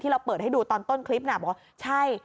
เราเปิดให้ดูตอนต้นคลิปน่ะบอกว่าใช่